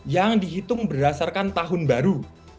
yang dihitung berdasarkan tahun baru